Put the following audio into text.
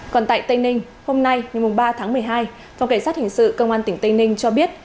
còn tại tây ninh hôm nay ngày ba tháng một mươi hai phòng cảnh sát hình sự công an tỉnh tây ninh cho biết